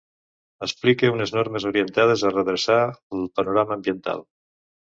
Explique unes normes orientades a redreçar el panorama ambiental.